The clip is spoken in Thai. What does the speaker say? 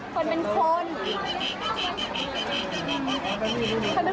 สุดท้ายสุดท้าย